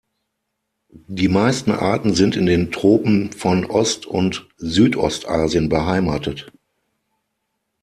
Die meisten Arten sind in den Tropen von Ost- und Südostasien beheimatet.